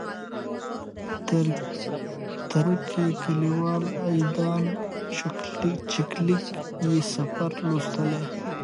ترکی لیکوال ایدان چیلیک یې سفر لوستلی.